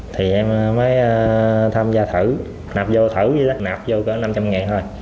thì em mới tham gia thử nạp vô thử như thế nạp vô khoảng năm trăm linh nghìn thôi